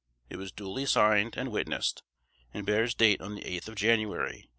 It was duly signed and witnessed, and bears date on the eighth of January, 1821.